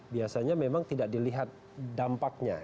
biasanya memang tidak dilihat dampaknya